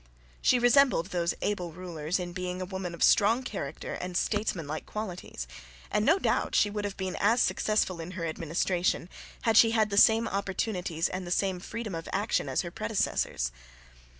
She resembled those able rulers in being a woman of strong character and statesmanlike qualities, and no doubt she would have been as successful in her administration had she had the same opportunities and the same freedom of action as her predecessors.